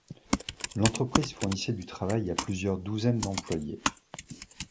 L'entreprise fournissait du travail à plusieurs douzaines d’employés.